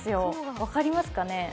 分かりますかね。